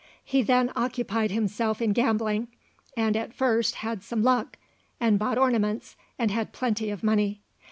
He then occupied himself in gambling, and at first had some luck, and bought ornaments, and had plenty of money.